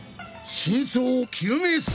真相を究明するのだ！